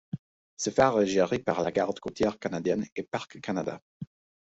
Ce phare est géré par la Garde côtière canadienne et Parcs Canada..